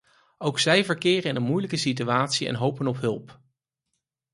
Ook zij verkeren in een moeilijke situatie en hopen op hulp.